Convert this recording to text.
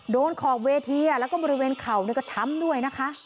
ขอบเวทีแล้วก็บริเวณเข่าก็ช้ำด้วยนะคะ